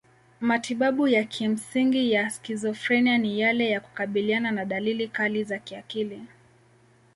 Matibabu ya kimsingi ya skizofrenia ni yale ya kukabiliana na dalili kali za kiakili.